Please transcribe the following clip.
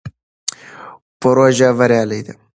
پروژه بریالۍ ده.